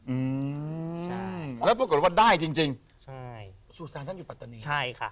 อืมแล้วพูดก่อนว่าได้จริงใช่สุสานที่ปัตตานีใช่ค่ะ